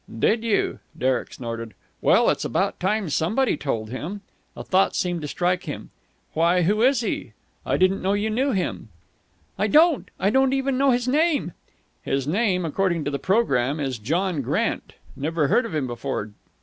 "Did you?" Derek snorted. "Well, it's about time somebody told him!" A thought seemed to strike him. "Why, who is he? I didn't know you knew him." "I don't. I don't even know his name." "His name, according to the programme, is John Grant. Never heard of him before.